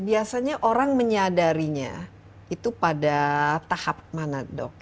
biasanya orang menyadarinya itu pada tahap mana dok